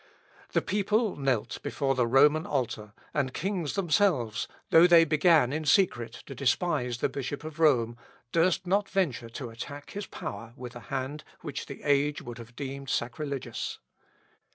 The people knelt before the Roman altar, and kings themselves, though they began in secret to despise the Bishop of Rome, durst not venture to attack his power with a hand which the age would have deemed sacrilegious.